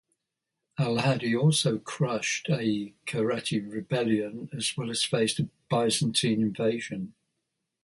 Al-Hadi also crushed a Kharijite rebellion as well as faced a Byzantine invasion.